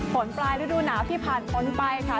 ปลายฤดูหนาวที่ผ่านพ้นไปค่ะ